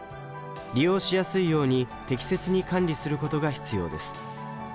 利用しやすいように適切に管理することが必要です。